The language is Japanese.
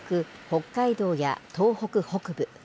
北海道や東北北部。